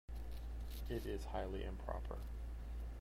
It is highly improper.